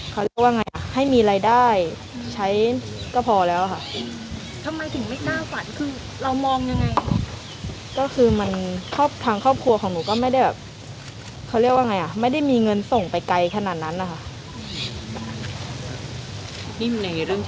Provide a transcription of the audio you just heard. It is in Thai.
เขาเรียกว่าไงให้มีรายได้ใช้ก็พอแล้วค่ะอืมทำไมถึงไม่น่าฝัน